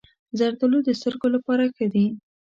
زردالو د سترګو لپاره ښه دي.